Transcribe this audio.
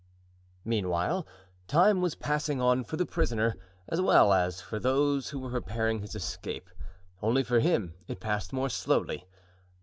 Meanwhile time was passing on for the prisoner, as well as for those who were preparing his escape; only for him it passed more slowly.